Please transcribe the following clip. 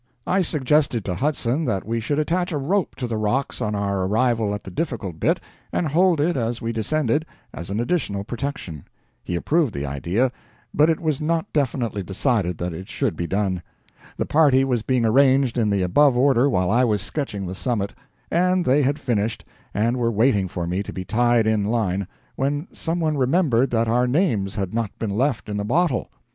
I suggested to Hudson that we should attach a rope to the rocks on our arrival at the difficult bit, and hold it as we descended, as an additional protection. He approved the idea, but it was not definitely decided that it should be done. The party was being arranged in the above order while I was sketching the summit, and they had finished, and were waiting for me to be tied in line, when some one remembered that our names had not been left in a bottle.